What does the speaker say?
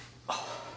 ああ。